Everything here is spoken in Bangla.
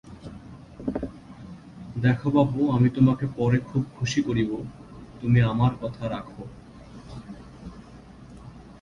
দেখো বাপু, আমি তোমাকে পরে খুব খুশি করিব, তুমি আমার কথা রাখো।